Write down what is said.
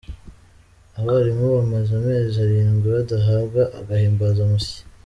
Abarimu bamaze amezi arindwi badahabwa agahimbazamusyi.